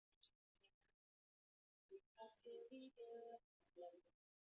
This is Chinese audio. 无神论人口统计的困难是多方面原因造成的。